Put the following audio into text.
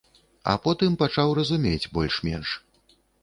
А потым пачаў разумець больш-менш.